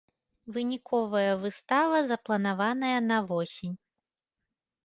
Выніковая выстава запланаваная на восень.